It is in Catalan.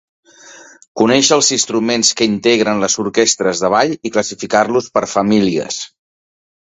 Conèixer els instruments que integren les orquestres de ball i classificar-los per famílies.